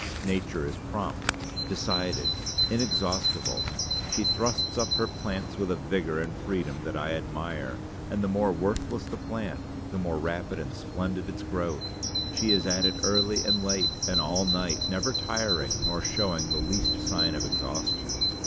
Nature is prompt, decided, inexhaustible. She thrusts up her plants with a vigor and freedom that I admire; and the more worthless the plant, the more rapid and splendid its growth. She is at it early and late, and all night; never tiring, nor showing the least sign of exhaustion.